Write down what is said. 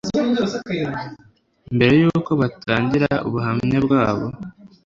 mbere y uko batangira ubuhamya bwabo